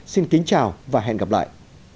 xin kính chào và hẹn gặp lại